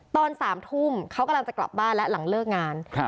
ตอน๓ทุ่มเขากำลังจะกลับบ้านแล้วหลังเลิกงาน